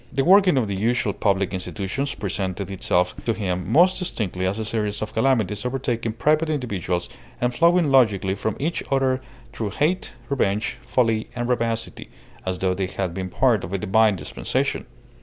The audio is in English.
The working of the usual public institutions presented itself to him most distinctly as a series of calamities overtaking private individuals and flowing logically from each other through hate, revenge, folly, and rapacity, as though they had been part of a divine dispensation.